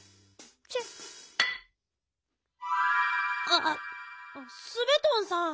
ああスベトンさん。